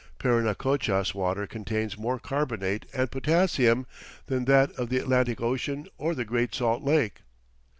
Parinacochas water contains more carbonate and potassium than that of the Atlantic Ocean or the Great Salt Lake.